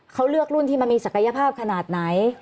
เขาเลือกรุ่นที่มันมีศักยภาพขนาดไหน